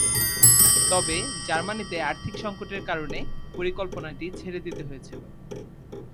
তবে জার্মানিতে আর্থিক সঙ্কটের কারণে পরিকল্পনাটি ছেড়ে দিতে হয়েছিল।